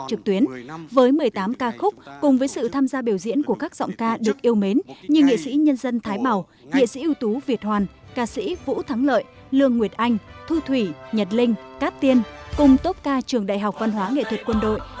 hôm tốt ca trường đại học văn hóa nghệ thuật quân đội